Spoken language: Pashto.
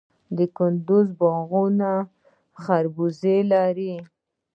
د کندز باغونه خربوزې لري.